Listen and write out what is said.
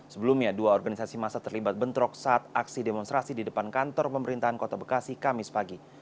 sebelumnya dua organisasi masa terlibat bentrok saat aksi demonstrasi di depan kantor pemerintahan kota bekasi kamis pagi